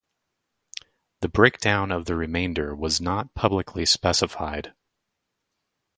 The breakdown of the remainder was not publicly specified.